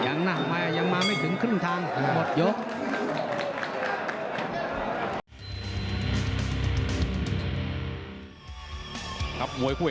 ยังนั่งมายังมาไม่ถึงครึ่งทางหมดยก